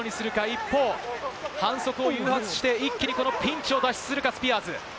一方、反則を誘発して、一気にこのピンチを脱出するかスピアーズ。